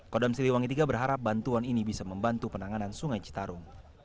kodam siliwangi iii berharap bantuan ini bisa membantu penanganan sungai citarum